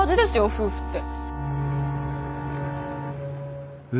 夫婦って。